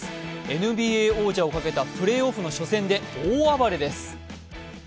ＮＢＡ王者をかけたプレーオフの初戦で大暴れです。